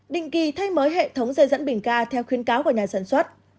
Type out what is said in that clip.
định kỳ thay mới hệ thống dây dẫn bình ca theo khuyến cáo của nhà sản xuất